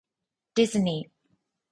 ディズニー